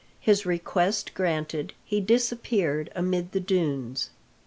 His request granted, he disappeared amid the dunes.